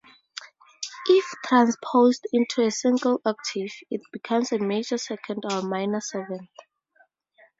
If transposed into a single octave, it becomes a major second or minor seventh.